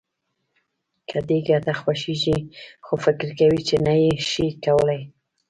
که دې ګټه خوښېږي خو فکر کوې چې نه يې شې کولای.